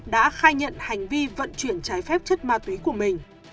đã khai nhận hành vi vận chuyển trái phép chất ma túy của mình